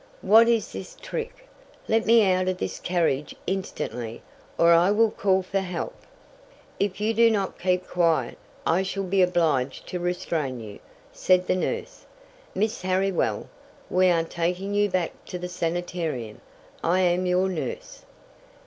What is this trick? Let me out of this carriage instantly, or I will call for help!" "If you do not keep quiet, I shall be obliged to restrain you," said the nurse. "Miss Harriwell, we are taking you back to the sanitarium. I am your new nurse."